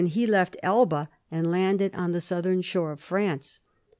211 he left Elba and landed on the southern shore of France.